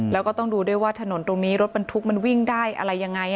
แล้วก็ต้องดูด้วยว่าถนนตรงนี้รถบรรทุกมันวิ่งได้อะไรยังไง